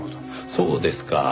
そうですか。